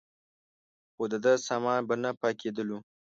خو دده سامان به نه پاکېدلو.